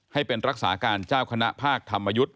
ให้เป็นรักษาการเจ้าคณะภาคธรรมยุทธ์